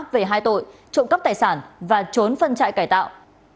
về hai tội trộm cắp tài sản và trốn phân trại cải tạo